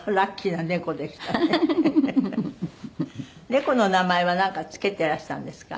猫の名前はなんか付けてらしたんですか？